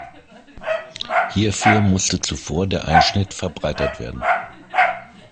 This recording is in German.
Hierfür musste zuvor der Einschnitt verbreitert werden.